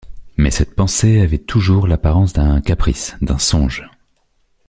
Mais cette pensée avait toujours l’apparence d’un caprice, d’un songe.